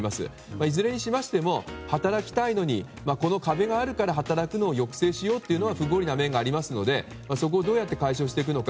いずれにしましても働きたいのに、この壁があるから働くのを抑制しようというのは不合理な面がありますのでそこをどうやって解消していくのか。